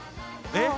えっ？